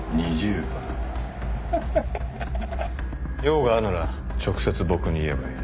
用があるなら直接僕に言えばいい。